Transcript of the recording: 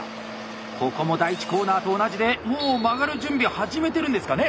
ここも第１コーナーと同じでもう曲がる準備を始めてるんですかね？